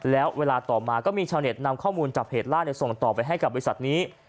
แล้วเวลาต่อมาก็มีชาวเน็ตนำข้อมูลจากเพจล่าส่งต่อไปให้กับบริษัทนี้